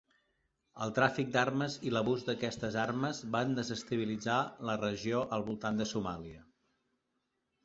El tràfic d'armes i l'abús d'aquestes armes van desestabilitzar la regió al voltant de Somàlia.